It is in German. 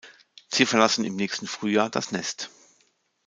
Sie verlassen im nächsten Frühjahr das Nest.